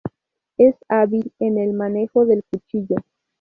Es hábil en el manejo del cuchillo.